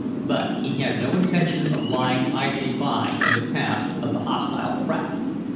But he had no intention of lying idly by in the path of the hostile craft.